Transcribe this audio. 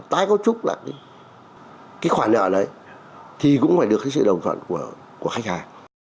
tái cấu trúc lại cái khoản nợ đấy thì cũng phải được cái sự đồng thuận của khách hàng